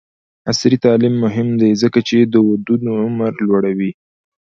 عصري تعلیم مهم دی ځکه چې د ودونو عمر لوړوي.